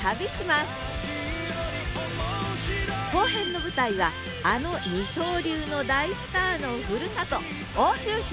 後編の舞台はあの二刀流の大スターのふるさと